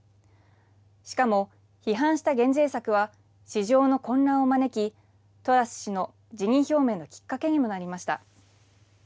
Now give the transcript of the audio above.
しかも批判した減税策は、市場の混乱を招き、トラス氏の辞任表明のきっかけにもなりました。